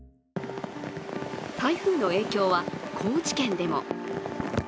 台風の影響は高知県でも。